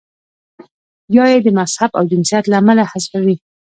یا یې د مذهب او جنسیت له امله حذفوي.